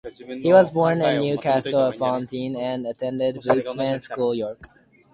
He was born in Newcastle upon Tyne and attended Bootham School, York.